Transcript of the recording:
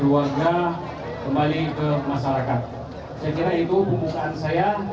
saya kira itu pembukaan saya